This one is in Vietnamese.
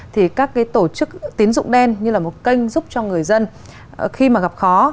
thì các cái tổ chức tín dụng đen như là một kênh giúp cho người dân khi mà gặp khó